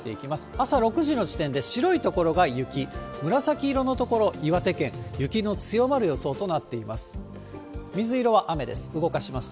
朝６時の時点で、白い所が雪、紫色の所、岩手県、雪の強まる予想となっています。